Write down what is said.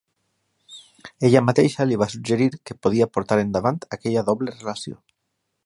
Ella mateixa li va suggerir que podia portar endavant aquella doble relació.